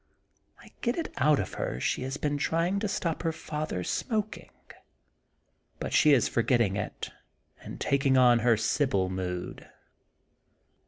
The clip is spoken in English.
I get it out of her, she has been trying to stop her father 's smoking. But she is forgetting it and taking on her sibyl mood.